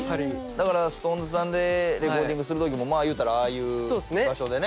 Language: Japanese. だからＳｉｘＴＯＮＥＳさんでレコーディングする時もいうたらああいう場所でね？